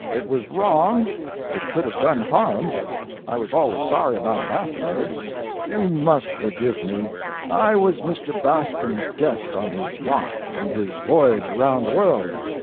It was wrong. It could have done harm. I was always sorry about it afterward. You must forgive me. I was Mr. Bascom's guest on his yacht, on his voyage around the world.